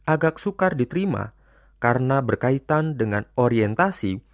agak sukar diterima karena berkaitan dengan orientasi